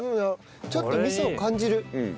ちょっと味噌を感じる。